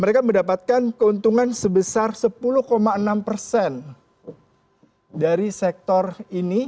mereka mendapatkan keuntungan sebesar sepuluh enam persen dari sektor ini